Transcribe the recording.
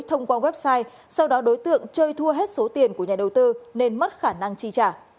thông qua website sau đó đối tượng chơi thua hết số tiền của nhà đầu tư nên mất khả năng chi trả